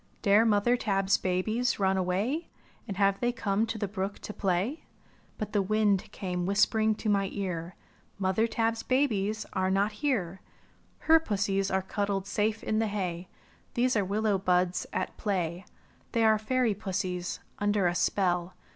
"Dare mother Tab's babies run away. And have they come to the brook to play?" But the wind came whispering to my ear: "Mother Tab's babies are not here. PUSSIES. 39 ^^Her pussies are cuddled safe in the hay, These are willow buds at play. They are fairy pussies, under a spell.